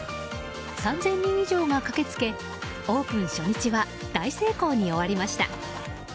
３０００人以上が駆けつけオープン初日は大成功に終わりました。